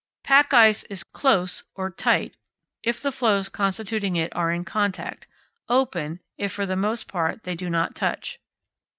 Pack ice is "close" or "tight" if the floes constituting it are in contact; "open" if, for the most part, they do not touch.